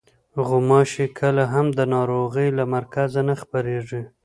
غوماشې کله هم د ناروغۍ له مرکز نه خپرېږي.